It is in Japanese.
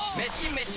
メシ！